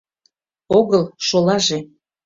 — Огыл, шолаже!